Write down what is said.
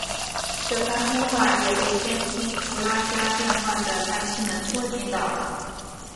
这番通话也被监听弗拉加电话的纳西门托听到了。